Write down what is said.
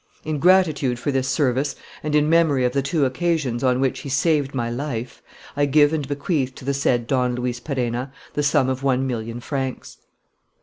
In gratitude for this service and in memory of the two occasions on which he saved my life, I give and bequeath to the said Don Luis Perenna the sum of one million francs."